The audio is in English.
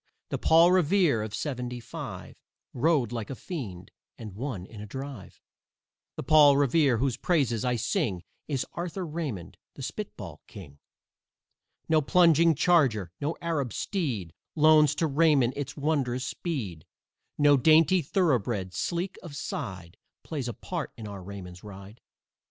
The Paul Revere of "seventy five" Rode like a fiend and won in a drive. The Paul Revere whose praises I sing Is Arthur Raymond, the spitball king. No plunging charger, no Arab steed, Loans to Raymond its wondrous speed, No dainty thoroughbred, sleek of side, Plays a part in our Raymond's ride.